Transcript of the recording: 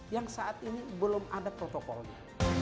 yang saat ini belum ada protokolnya